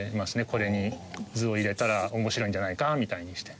これに図を入れたら面白いんじゃないかみたいにして。